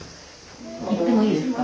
行ってもいいですか？